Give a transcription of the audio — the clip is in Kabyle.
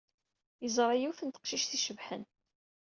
Yeẓra yiwet n teqcict icebḥen.